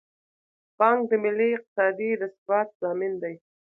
بانک د ملي اقتصاد د ثبات ضامن دی.